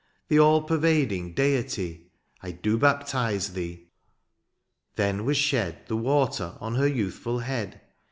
The all pervading Deity ! I do baptize thee :^' then was shed The water on her youthful head.